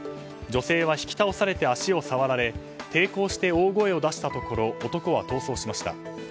女性は引き倒されて足を触られ抵抗して大声を出したところ男は逃走しました。